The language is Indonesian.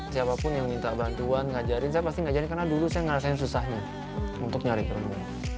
siapapun yang minta bantuan ngajarin saya pasti ngajarin karena dulu saya ngerasain susahnya untuk nyari kamu